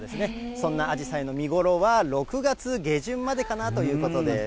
そんなあじさいの見頃は、６月下旬までかなということです。